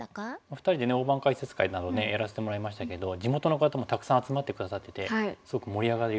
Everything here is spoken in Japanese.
２人で大盤解説会などやらせてもらいましたけど地元の方もたくさん集まって下さっててすごく盛り上がりを。